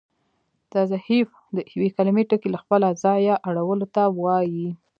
تصحیف د یوې کليمې ټکي له خپله ځایه اړولو ته وا يي.